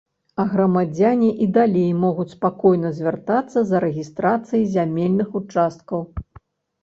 А грамадзяне і далей могуць спакойна звяртацца за рэгістрацыяй зямельных участкаў.